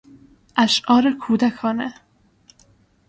اشعار کودکانه